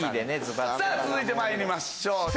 さぁ続いてまいりましょう。